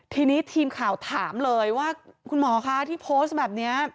ทีนี้ทีมข่าวถามเลยว่าคุณหมอคะที่โพสต์แบบนี้